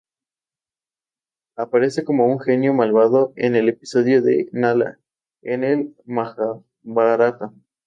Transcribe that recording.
Aparece como un genio malvado en el episodio de Nala, en el "Majabhárata".